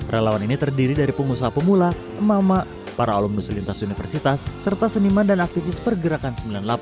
relawan ini terdiri dari pengusaha pemula emak emak para alumnus lintas universitas serta seniman dan aktivis pergerakan sembilan puluh delapan